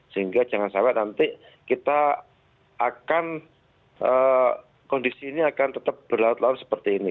sehingga jangan sahabat nanti kita akan kondisi ini akan tetap berlaut laut seperti ini